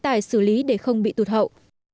phải xử lý để không bị tụt hậu